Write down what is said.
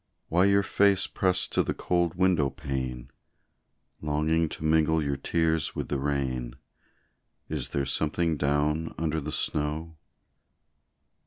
Why your face pressed to the cold window pane, Longing to mingle your tears with the rain Is there something down under the snow?